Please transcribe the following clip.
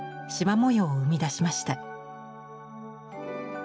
模様を生み出しました。